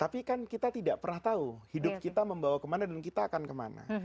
tapi kan kita tidak pernah tahu hidup kita membawa kemana dan kita akan kemana